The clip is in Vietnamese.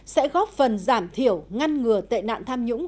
sẽ góp phần giảm thiểu ngăn ngừa tệ nạn tham nhũng